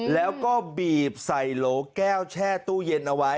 แล้วก็บีบใส่โหลแก้วแช่ตู้เย็นเอาไว้